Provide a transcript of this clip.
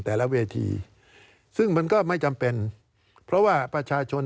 แต่ละเวทีซึ่งมันก็ไม่จำเป็นเพราะว่าประชาชน